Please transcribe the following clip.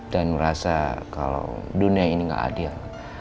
dan merasa kalau dunia ini gak adil